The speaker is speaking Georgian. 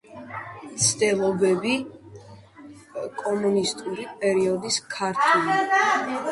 მცდელობები კომუნისტური პერიოდის ქართ.